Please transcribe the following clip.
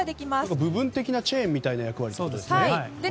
部分的なチェーンみたいな役割ですね。